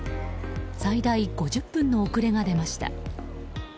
最大５０分の遅れが出ました。